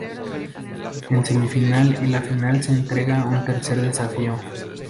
En semifinal y la final se agrega un tercer desafío.